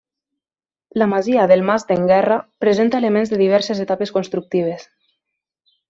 La masia del mas d'en Guerra presenta elements de diverses etapes constructives.